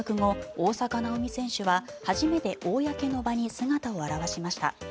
大坂なおみ選手は初めて公の場に姿を現しました。